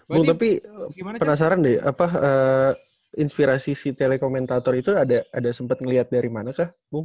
bu tapi penasaran deh apa inspirasi si telekomentator itu ada sempat ngelihat dari manakah bu